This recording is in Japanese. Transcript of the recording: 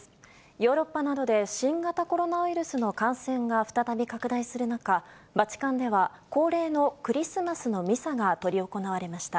ヨーロッパなどで新型コロナウイルスの感染が再び拡大する中、バチカンでは、恒例のクリスマスのミサが執り行われました。